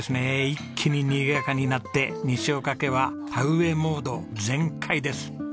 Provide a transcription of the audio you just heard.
一気ににぎやかになって西岡家は田植えモード全開です。